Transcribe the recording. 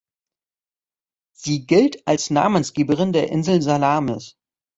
Sie gilt als Namensgeberin der Insel Salamis.